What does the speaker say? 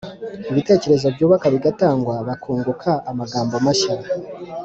ibitekerezo byubaka bigatangwa, bakunguka amagambo mashya.